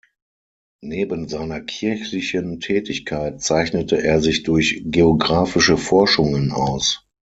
Neben seiner kirchlichen Tätigkeit zeichnete er sich durch geographische Forschungen aus.